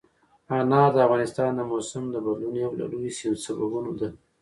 انار د افغانستان د موسم د بدلون یو له لویو سببونو ده.